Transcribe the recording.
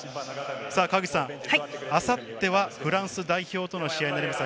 あさってはフランス代表との試合なります。